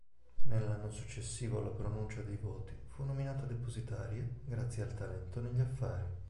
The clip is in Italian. Nell'anno successivo alla pronuncia dei voti fu nominata depositaria, grazie al talento negli affari.